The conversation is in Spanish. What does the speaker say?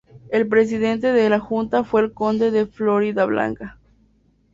El presidente de la Junta fue el conde de Floridablanca.